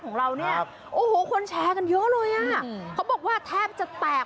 คนแชร์กันเยอะเลยอ่ะเขาบอกว่าแทบจะแตก